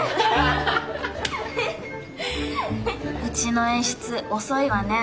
うちの演出遅いわね。